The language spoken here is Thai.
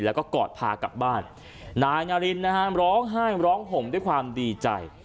แล้วก็กอดพากลับบ้านนายนารินนะฮะร้องไห้ร้องห่มด้วยความดีใจ